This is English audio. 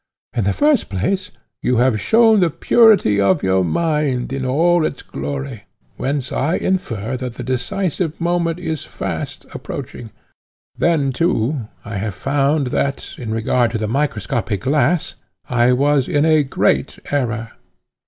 In the first place, you have shown the purity of your mind in all its glory, whence I infer that the decisive moment is fast approaching. Then too I have found that, in regard to the microscopic glass, I was in a great error.